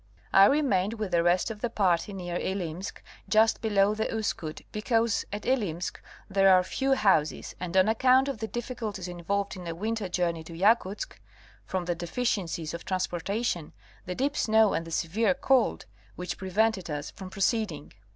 137 I remained with the rest of the party near Ilimsk just below the Uskut, because at Ilimsk there are few houses and on account of the difficulties involved in a winter journey to Yakutsk, from the deficiencies of transportation, the deep snow and the severe cold, which prevented us from proceeding.